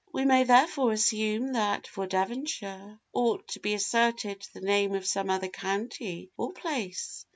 We may therefore presume that for 'Devonshire' ought to be inserted the name of some other county or place.